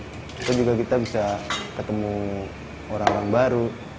kita juga kita bisa ketemu orang orang baru